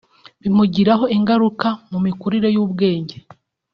bimugiraho ingaruka mu mikurire ye mu bwenge